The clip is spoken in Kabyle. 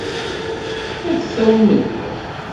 Ad d-tawim lhemm.